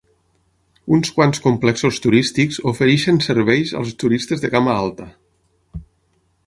Uns quants complexos turístics ofereixen serveis als turistes de gamma alta.